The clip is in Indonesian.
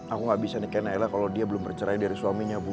aku gak bisa nikahi naila kalau dia belum menceraikan suaminya bu